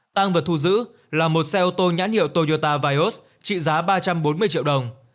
tăng vật thu giữ là một xe ô tô nhãn hiệu toyota vios trị giá ba trăm bốn mươi triệu đồng